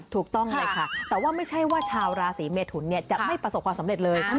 ถูกต้องเลยค่ะแต่ว่าไม่ใช่ว่าชาวราศีเมทุนจะไม่ประสบความสำเร็จเลย